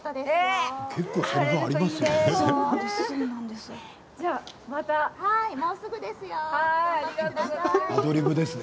結構せりふがありますね。